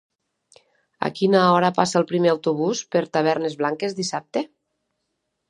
A quina hora passa el primer autobús per Tavernes Blanques dissabte?